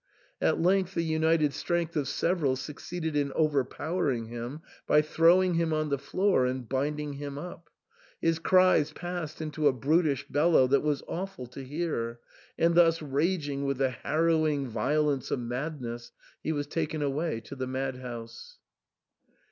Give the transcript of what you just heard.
At length the united strength of several succeeded in overpowering him by throwing him on the floor and binding him. His cries passed into a brutish bellow that was awful to hear ; and thus raging with the harrowing violence of madness, he was taken away to the madhouse.